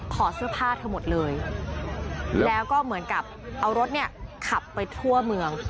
ขอเสื้อผ้าเธอหมดเลยแล้วก็เหมือนกับเอารถเนี่ยขับไปทั่วเมือง